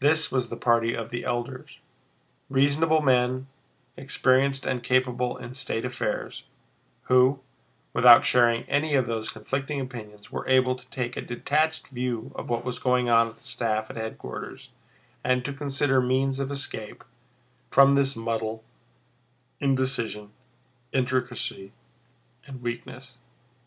This was the party of the elders, reasonable men experienced and capable in state affairs, who, without sharing any of those conflicting opinions, were able to take a detached view of what was going on at the staff at headquarters and to consider means of escape from this muddle, indecision, intricacy, and weakness.